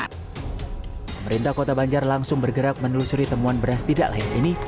pemerintah kota banjar langsung bergerak menelusuri temuan beras tidak layak ini